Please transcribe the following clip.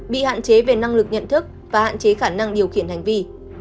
bị hạn chế về năng lực nhận thức và hạn chế khả năng điều khiển hành vi